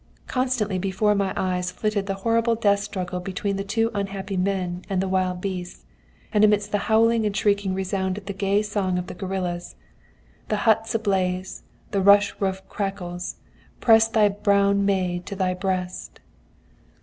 Constantly before my eyes flitted the horrible death struggle between the two unhappy men and the wild beasts, and amidst the howling and shrieking resounded the gay song of the guerillas: 'The hut's ablaze, the rush roof crackles, Press thy brown maid to thy breast!'